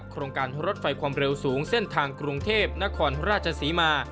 โครงการรถไฟความเร็วสูงเส้นทางกรุงเทพนครราชศรีมา